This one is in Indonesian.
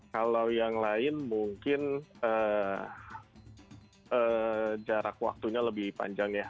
kalau yang lain mungkin jarak waktunya lebih panjang ya